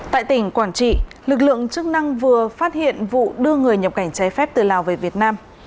tại tỉnh quảng trị lực lượng chức năng vừa phát hiện vụ đưa người nhập cảnh trái phép từ lào về việt nam